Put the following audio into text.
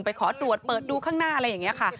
ขอตรวจเปิดดูข้างหน้าอะไรอย่างนี้ค่ะ